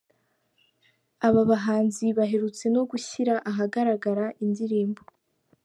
Aba bahanzi baherutse no gushyira ahagaragara indirimbo.